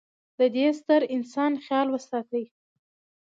د د ې ستر انسان خیال وساتي.